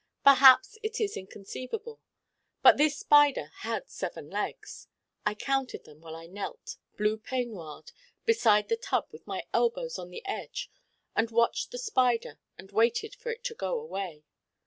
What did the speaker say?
Perhaps it is inconceivable. But this Spider had seven legs. I counted them while I knelt, blue peignoired, beside the tub with my elbows on the edge and watched the Spider and waited for it to go away.